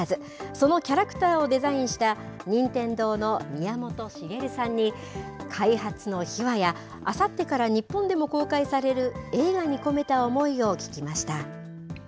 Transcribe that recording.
そのキャラクターをデザインした、任天堂の宮本茂さんに、開発の秘話や、あさってから日本でも公開される映画に込めた思いを聞きました。